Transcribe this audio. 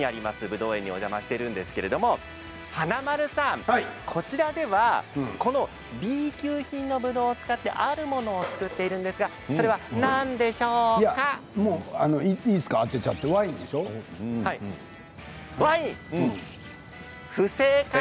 ぶどう園にお邪魔しているんですけど華丸さん、こちらではこのＢ級品のぶどうを使ってあるものを作っているんですがそれは何でしょうか？